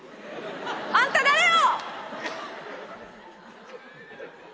あんた誰よ！？